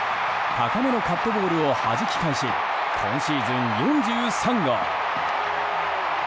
高めのカットボールをはじき返し、今シーズン４３号。